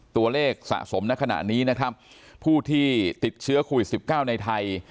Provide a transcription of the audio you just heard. ตัวเลขสะสมในขณะนี้นะครับผู้ที่ติดเชื้อโควิด๑๙ในไทย